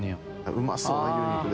うまそうな牛肉で。